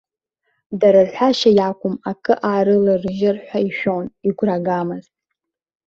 Дара рҳәашьа иакәым акы аарыларыжьыр ҳәа ишәон, игәрагамызт.